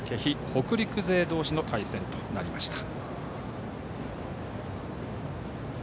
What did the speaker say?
北陸勢同士の対戦となりました。